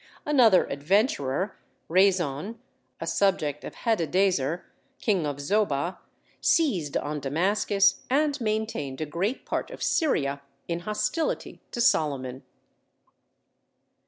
Another adventurer, Rezon, a subject of Hadadezer, king of Zobah, seized on Damascus, and maintained a great part of Syria in hostility to Solomon.